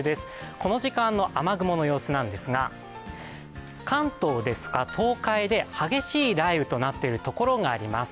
この時間の雨雲の様子なんですが関東ですとか、東海で激しい雷雨となっているところがあります。